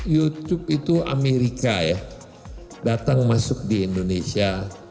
youtube itu amerika ya datang masuk di indonesia